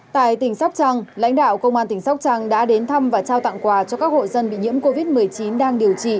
tại tỉnh sóc trăng lãnh đạo công an tỉnh sóc trăng đã đến thăm và trao tặng quà cho các hộ dân bị nhiễm covid một mươi chín đang điều trị